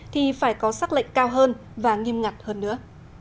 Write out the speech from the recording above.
thì phải có xác lệnh cao hơn và nghiêm ngặt hơn nữa